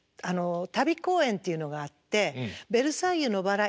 旅公演っていうのがあって「ベルサイユのばら」